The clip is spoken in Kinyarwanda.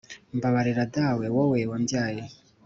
mbabarira dawe wowe wambyaye